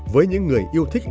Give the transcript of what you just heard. với những người yêu thích